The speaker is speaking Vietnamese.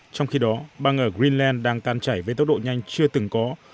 trong khi đó băng ở greenland đang tan chảy với tốc độ nhanh chưa từng có